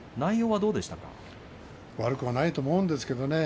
悪くはないと思うんですけれどね